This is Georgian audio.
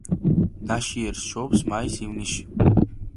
ნაშიერს შობს მაის-ივნისში.